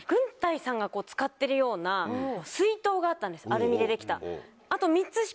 アルミでできた。